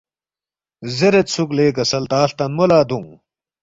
زیرد سوک لے کسل تا ہلتانمو لا دونگ